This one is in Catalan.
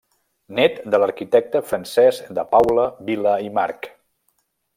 Nét de l'arquitecte Francesc de Paula Vila i March.